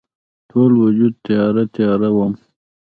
ټول وجود تیاره، تیاره وم